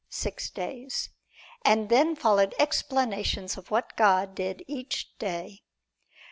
Six days. And then followed explanations of what God did each day.